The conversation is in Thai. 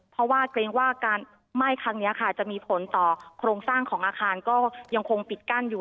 เพราะว่าเกรงว่าการไหม้ครั้งนี้ค่ะจะมีผลต่อโครงสร้างของอาคารก็ยังคงปิดกั้นอยู่